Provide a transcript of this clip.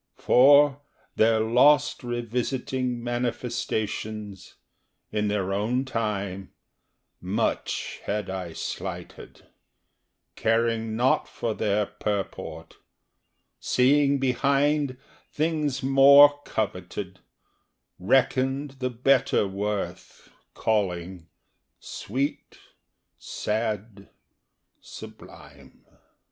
For, their lost revisiting manifestations In their own time Much had I slighted, caring not for their purport, Seeing behind Things more coveted, reckoned the better worth calling Sweet, sad, sublime.